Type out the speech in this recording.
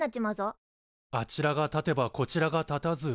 「あちらが立てばこちらが立たず」だね。